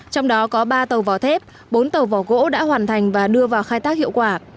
trong đó có ba tàu vỏ thép bốn tàu vỏ gỗ đã hoàn thành và đưa vào khai thác hiệu quả